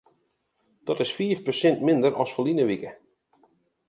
Dat is fiif persint minder as ferline wike.